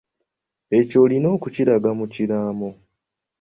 Ekyo olina okukiraga mu kiraamo.